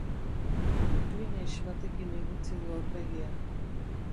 Klinex batekin igurtzi du aurpegia.